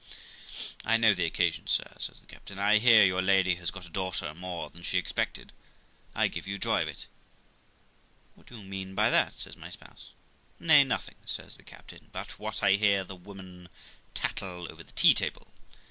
'I know the occasion, sir', says the captain; 'I hear your lady has got a daughter more than she expected ; I give you joy of it.' ' What do you mean by that?' says my spouse. 'Nay, nothing', says the captain; 'but what I hear the women tattle over the tea table.